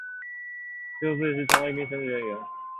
十九岁时成为了一名神职人员。